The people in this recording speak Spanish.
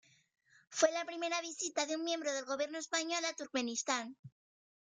Fue la primera visita de un miembro del gobierno español a Turkmenistán.